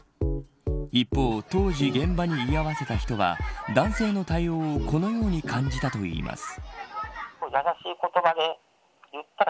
一方、当時現場に居合わせた人は男性の対応をこのように感じたといいます。